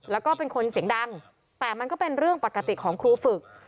แล้วก็เป็นคนเสียงดังแต่มันก็เป็นเรื่องปกติของครูฝึก